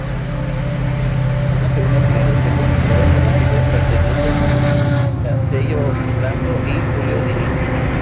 A una segunda generación de escritores románticos pertenecen Castello Branco y Julio Diniz.